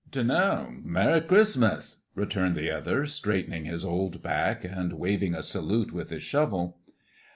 "Dunno; Merry Chris'mus!" returned the other, straightening his old back and waving a salute with his shovel.